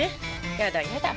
やだやだ。